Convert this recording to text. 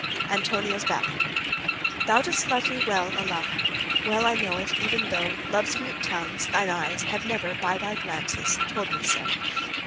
ANTONIO'S BALLAD Thou dost love me well, Olalla; Well I know it, even though Love's mute tongues, thine eyes, have never By their glances told me so.